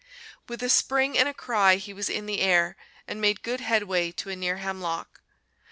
With a spring and a cry he was in the air, and made good headway to a near hemlock.